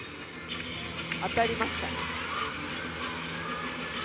当たりました。